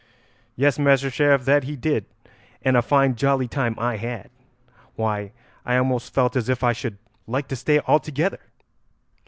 Yes, Master Sheriff, that he did, and a fine jolly time I had. Why, I almost felt as if I should like to stay altogether."